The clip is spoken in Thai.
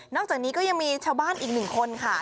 จากนี้ก็ยังมีชาวบ้านอีกหนึ่งคนค่ะ